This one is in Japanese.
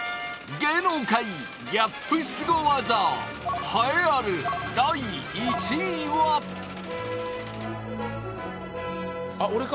芸能界ギャップすご技栄えある第１位はあっ俺か？